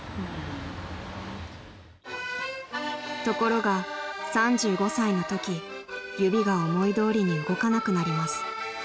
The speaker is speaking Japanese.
［ところが３５歳のとき指が思いどおりに動かなくなります］